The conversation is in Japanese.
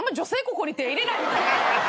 ここに手入れないよね。